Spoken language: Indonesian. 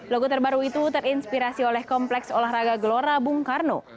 logo terbaru itu terinspirasi oleh kompleks olahraga gelora bung karno